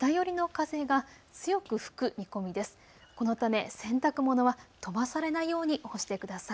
このため洗濯物は飛ばされないように干してください。